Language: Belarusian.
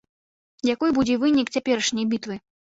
Якой будзе вынік цяперашняй бітвы?